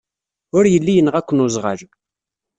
Ur yelli yenɣa-ken weẓɣal.